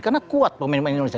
karena kuat pemain pemain indonesia